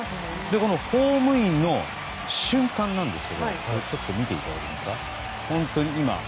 ホームインの瞬間なんですけど見ていただけますか？